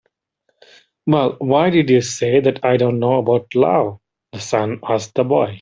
"Well, why did you say that I don't know about love?" the sun asked the boy.